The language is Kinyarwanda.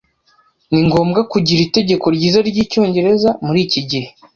Ni ngombwa kugira itegeko ryiza ryicyongereza muri iki gihe.